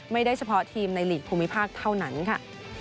เฉพาะทีมในหลีกภูมิภาคเท่านั้นค่ะ